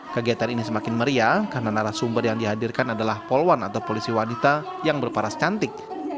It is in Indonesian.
kegiatan ini semakin meriah karena narasumber yang dihadirkan adalah polwan atau polisi wanita yang berparas cantik